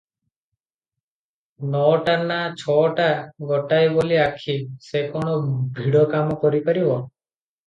ନଅଟା ନା ଛଅଟା! ଗୋଟାଏ ବୋଲି ଆଖି, ସେ କଣ ଭିଡ଼ କାମ କରିପାରିବ?